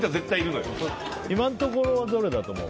今のところ、どれだと思う？